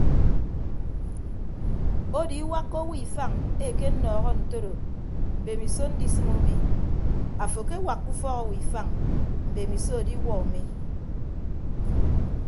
Odo iwakka owo ifañ ekennọọ ntodo mbemiso ndisịm umi afo akewakka ufọk owo ifañ mbemiso adiwuọ umi.